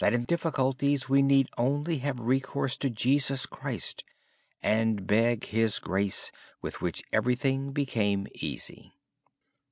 In difficulties we need only have recourse to Jesus Christ and beg His grace with which everything became easy.